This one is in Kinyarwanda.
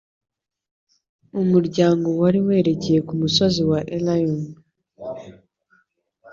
mu muryango wari werekeye ku musozi wa Elayono.